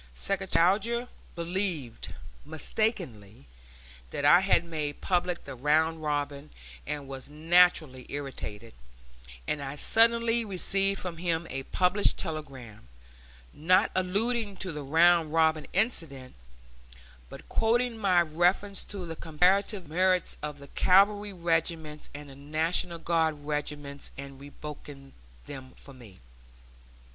"[*] Secretary Alger believed, mistakenly, that I had made public the round robin, and was naturally irritated, and I suddenly received from him a published telegram, not alluding to the round robin incident, but quoting my reference to the comparative merits of the cavalry regiments and the National Guard regiments and rebuking me for it.